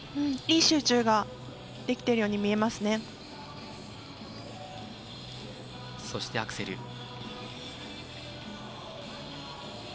いい集中ができているように見えますね、そしてアクセル。